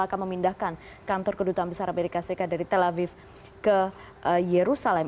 akan memindahkan kantor kedutaan besar amerika serikat dari tel aviv ke yerusalem